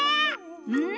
うん！